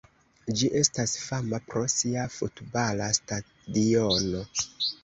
Ĝi estas fama pro sia futbala stadiono.